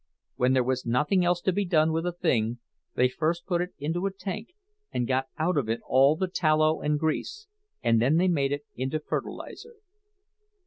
When there was nothing else to be done with a thing, they first put it into a tank and got out of it all the tallow and grease, and then they made it into fertilizer.